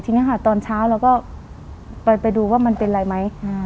ทีนี้ค่ะตอนเช้าเราก็ไปดูว่ามันเป็นอะไรไหม